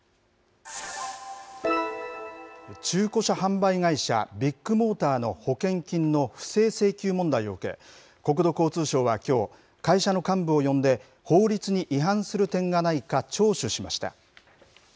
中古車販売会社、ビッグモーターの保険金の不正請求問題を受け、国土交通省はきょう、会社の幹部を呼んで法律に違反する点がないか聴取しました。